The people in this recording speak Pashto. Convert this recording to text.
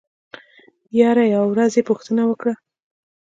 يره يوه ورځ يې پوښتنه وکړه.